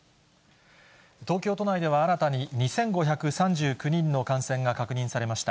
東京都内では新たに２５３９人の感染が確認されました。